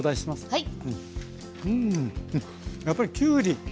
はい。